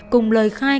cùng lời khai